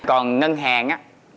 còn ngân hàng